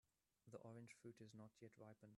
The orange fruit is not yet ripened.